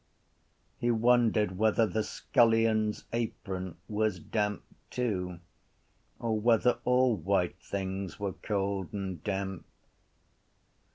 He wondered whether the scullion’s apron was damp too or whether all white things were cold and damp.